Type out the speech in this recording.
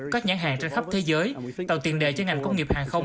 các nhãn hàng trên khắp thế giới tàu tiền đệ cho ngành công nghiệp hàng không